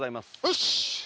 よし！